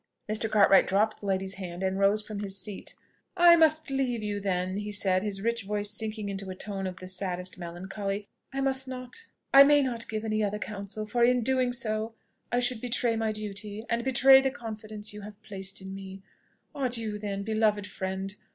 Mr. Cartwright dropped the lady's hand and rose from his seat. "I must leave you, then," he said, his rich voice sinking into a tone of the saddest melancholy. "I must not I may not give any other counsel; for in doing so, I should betray my duty, and betray the confidence you have placed in me. Adieu, then, beloved friend!